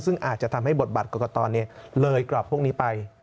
ซึ่งอาจจะทำให้บทบัตรกรกตเลยกรอบพวกนี้ไป